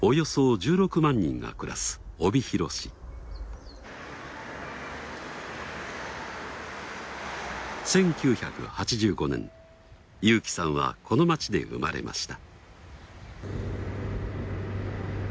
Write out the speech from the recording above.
１９８５年裕樹さんはこの街で生まれました。